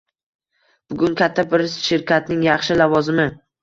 Bugun katta bir shirkatning yaxshi lavozimi.